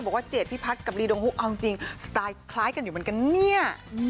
เจดพี่พัฒน์กับรีดงฮุกเอาจริงสไตล์คล้ายกันอยู่เหมือนกันเนี่ย